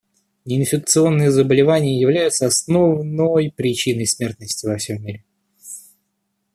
Неинфекционные заболевания являются основной причиной смертности во всем мире.